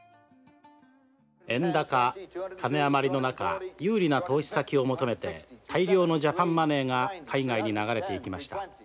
「円高金あまりの中有利な投資先を求めて大量のジャパンマネーが海外に流れていきました。